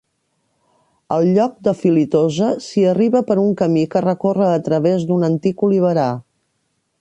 Al lloc de Filitosa s'hi arriba per un camí que recorre a través d'un antic oliverar.